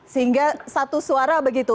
sehingga satu suara begitu